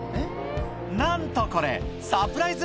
なんとこれサプライズ